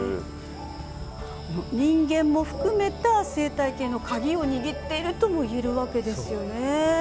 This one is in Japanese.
人間も含めた生態系の鍵を握っているともいえるわけですね。